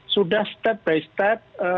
sudah step by step